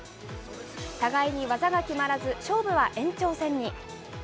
互いに技が決まらず勝負は延長戦に。